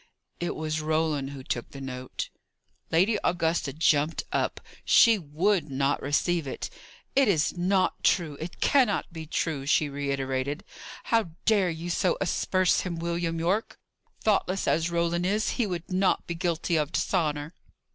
"It was Roland who took the note." Lady Augusta jumped up. She would not receive it. "It is not true; it cannot be true!" she reiterated. "How dare you so asperse him, William Yorke? Thoughtless as Roland is, he would not be guilty of dishonour."